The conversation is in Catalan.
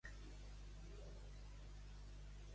De qui s'enamora Vivian?